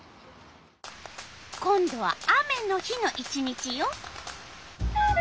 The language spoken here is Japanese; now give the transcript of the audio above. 今度は雨の日の１日よ。